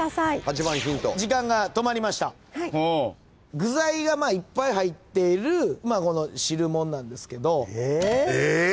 具材がいっぱい入っている汁物なんですけど。えっ！？